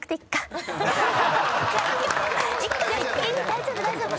大丈夫大丈夫。